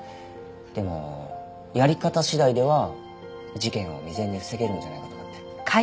でもやり方次第では事件を未然に防げるんじゃないかと思って。